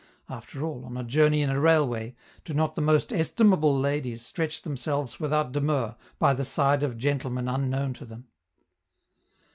After all, on a journey in a railway, do not the most estimable ladies stretch themselves without demur by the side of gentlemen unknown to them?